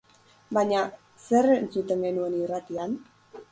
Baina, zer entzuten genuen irratian?